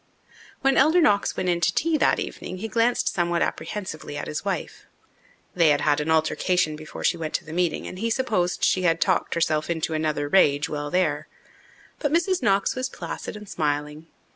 When Elder Knox went in to tea that evening he glanced somewhat apprehensively at his wife. They had had an altercation before she went to the meeting, and he supposed she had talked herself into another rage while there. But Mrs. Knox was placid and smiling.